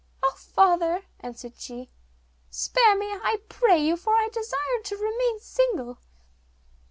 'Oh, father,' answered she, 'spare me, I pray you, for I desire to remain single.